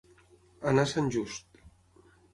Anar a Sant Just.